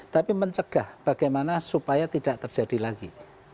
tapi mencegah bagaimana supaya tidak terjadi lagi